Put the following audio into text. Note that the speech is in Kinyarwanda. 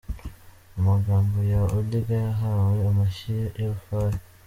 Amagambo ya Odinga yahawe amshyi y’urufaya.